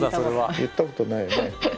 言ったことないよね。